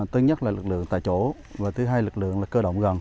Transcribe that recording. thứ nhất là lực lượng tại chỗ và thứ hai lực lượng là cơ động gần